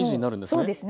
そうですね。